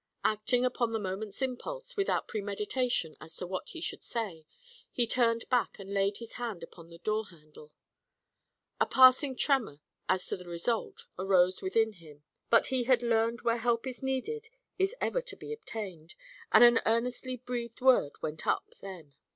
Acting upon the moment's impulse, without premeditation as to what he should say, he turned back and laid his hand upon the door handle. A passing tremor, as to the result, arose within him; but he had learned where help in need is ever to be obtained, and an earnestly breathed word went up then.